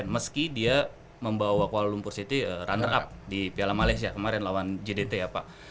meski dia membawa kuala lumpur city runner up di piala malaysia kemarin lawan jdt ya pak